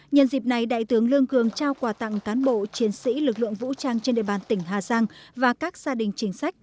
nhân dịp này đại tướng lương cường trao quà tặng cán bộ chiến sĩ lực lượng vũ trang trên địa bàn tỉnh hà giang và các gia đình chính sách